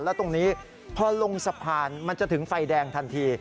แล้วตรงนี้พอลงสะพานมันจะถึงไฟแดงทันที